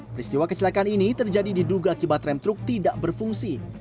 peristiwa kecelakaan ini terjadi diduga akibat rem truk tidak berfungsi